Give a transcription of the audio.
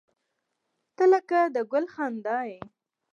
• ته لکه د ګل خندا یې.